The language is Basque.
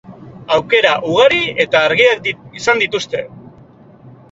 Aukera ugari eta argiak izan dituzte.